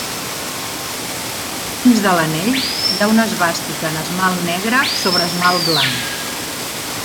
Dins de l'anell, hi ha una esvàstica en esmalt negre sobre esmalt blanc.